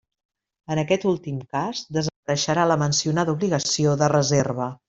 En aquest últim cas desapareixerà la mencionada obligació de reserva.